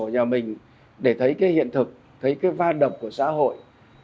cửa sổ nhà mình để thấy cái hiện thực thấy cái va đập của xã hội